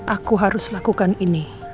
aku harus lakukan ini